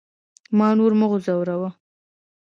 ما نور مه ځوروئ